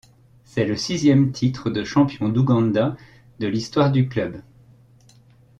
C'est le sixième titre de champion d'Ouganda de l'histoire du club.